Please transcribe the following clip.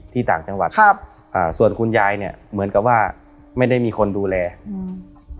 ต่างจังหวัดครับอ่าส่วนคุณยายเนี้ยเหมือนกับว่าไม่ได้มีคนดูแลอืม